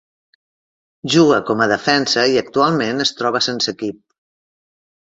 Juga com a defensa i actualment es troba sense equip.